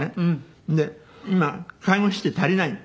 で今介護士って足りないの。